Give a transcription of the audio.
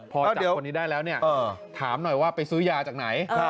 พอจับคนนี้ได้แล้วเนี่ยถามหน่อยว่าไปซื้อยาจากไหน